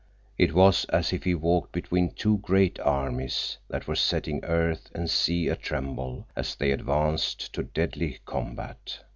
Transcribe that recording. It was as if he walked between two great armies that were setting earth and sea atremble as they advanced to deadly combat.